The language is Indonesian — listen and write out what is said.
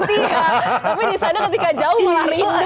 tapi disana nanti kaya jauh malah rindu ya